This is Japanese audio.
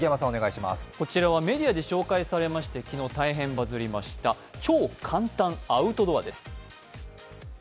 こちらはメディアで紹介されまして、昨日、大変バズりました、超簡単アウトドアです。